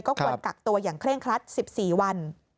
ควรกักตัวอย่างเคร่งครัด๑๔วัน